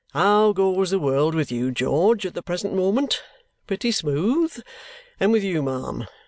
How goes the world with you, George, at the present moment? Pretty smooth? And with you, ma'am?